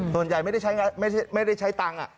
ส่วนใหญ่ไม่ได้ใช้ตังค์